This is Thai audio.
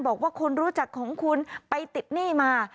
บอกว่าคนรู้จักของคุณไปติดหนี้มา